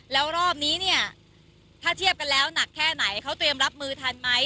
แล้วรอบนี้เนี่ยถ้าเทียบกันแล้วหนักแค่ไหนเขาเตรียมรับมือทันไหม